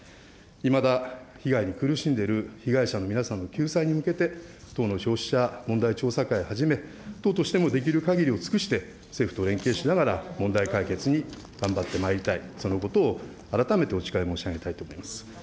いまだ被害に苦しんでいる被害者の皆さんの救済に向けて、党の消費者問題調査会、党としてもできるかぎりを尽くして、政府と連携しながら問題解決に頑張ってまいりたい、そのことを改めてお誓い申し上げたいと思います。